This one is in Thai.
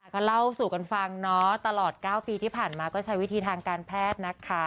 ก็เล่าสู่กันฟังเนาะตลอด๙ปีที่ผ่านมาก็ใช้วิธีทางการแพทย์นะคะ